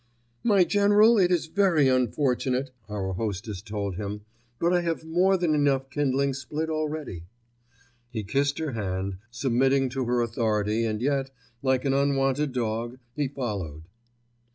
"My General, it is very unfortunate," our hostess told him, "but I have more than enough kindling split already." He kissed her hand, submitting to her authority and yet, like an unwanted dog, he followed.